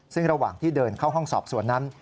ซึ่งระหว่างที่เดินเข้าห้องสอบสวนนั้น